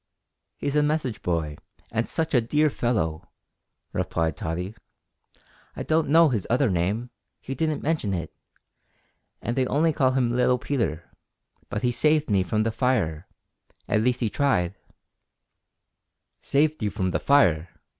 "He's a message boy, and such a dear fellow," replied Tottie. "I don't know his other name, he didn't mention it, and they only call him little Peter, but he saved me from the fire; at least he tried " "Saved you from the fire!"